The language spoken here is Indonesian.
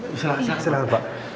bisa lah silahkan pak